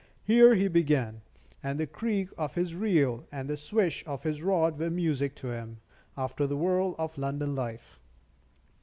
Here he began, and the creak of his reel and the swish of his rod were music to him, after the whirl of London life.